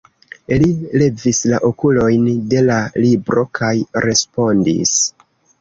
Li levis la okulojn de la libro kaj respondis: